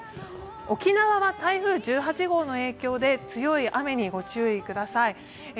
沖縄は台風１８号の影響で強い雨にご注意ください。